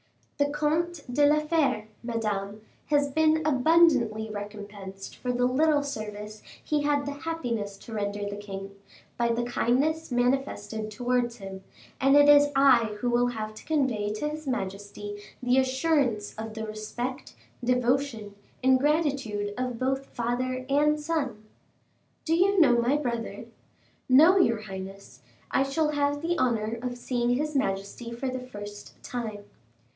"The Comte de la Fere, Madame, has been abundantly recompensed for the little service he had the happiness to render the king, by the kindness manifested towards him, and it is I who will have to convey to his majesty the assurance of the respect, devotion, and gratitude of both father and son." "Do you know my brother?" "No, your highness; I shall have the honor of seeing his majesty for the first time."